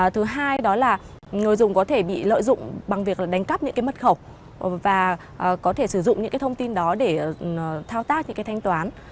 thứ hai đó là người dùng có thể bị lợi dụng bằng việc là đánh cắp những cái mật khẩu và có thể sử dụng những cái thông tin đó để thao tác những cái thanh toán